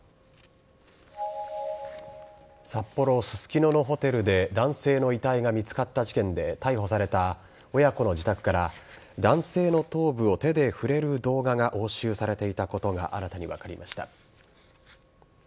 札幌・ススキノのホテルで男性の遺体が見つかった事件で逮捕された親子の自宅から男性の頭部を手で触れる動画が押収されていたことが新たに分かりました。